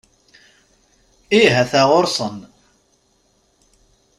Ih, ata ɣuṛ-sen.